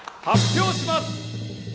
発表します！